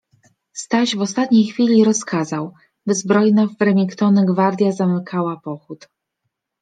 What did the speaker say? Staś w ostatniej chwili rozkazał, by zbrojna w remingtony gwardja zamykała pochód.